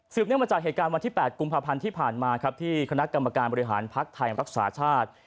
เนื่องมาจากเหตุการณ์วันที่๘กุมภาพันธ์ที่ผ่านมาครับที่คณะกรรมการบริหารภักดิ์ไทยรักษาชาติ